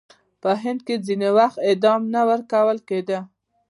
په هند کې ځینې وخت اعدام نه ورکول کېده.